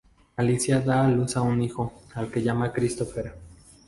Alicia da a luz un hijo, al que llama Christopher.